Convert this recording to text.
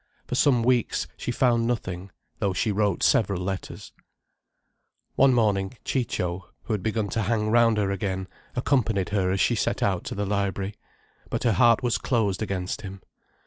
For some weeks she found nothing, though she wrote several letters. One morning Ciccio, who had begun to hang round her again, accompanied her as she set out to the library. But her heart was closed against him.